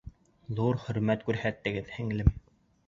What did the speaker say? Ҙур хөрмәт күрһәттегеҙ, һеңлем.